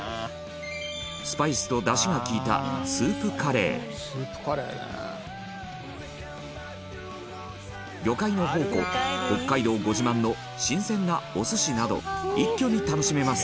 スパイスと、だしが利いたスープカレー魚介の宝庫、北海道ご自慢の新鮮なお寿司など一挙に楽しめます